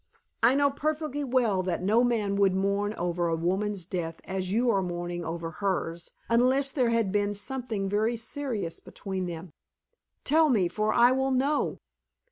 I know perfectly well that no man would mourn over a woman's death as you are mourning over hers, unless there had been something very serious between them. Tell me, for I will know!"